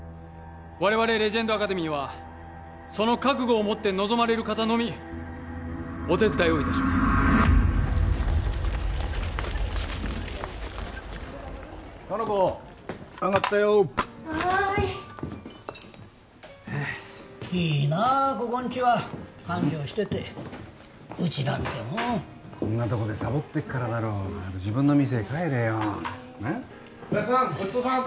我々レジェンドアカデミーはその覚悟を持って臨まれる方のみお手伝いをいたしますかの子あがったよはーいいいなあここんちは繁盛しててうちなんてもうこんなとこでさぼってっからだろ早く自分の店へ帰れよおやっさん